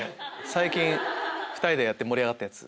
最近２人でやって盛り上がったやつ。